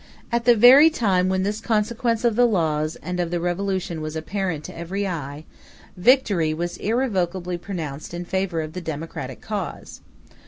At the very time when this consequence of the laws and of the revolution was apparent to every eye, victory was irrevocably pronounced in favor of the democratic cause.